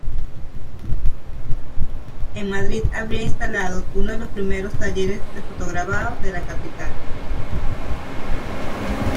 En Madrid habría instalado uno de los primeros talleres de fotograbado de la capital.